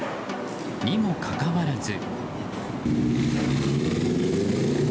にもかかわらず。